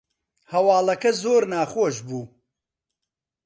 هەواڵەکە زۆر ناخۆش بوو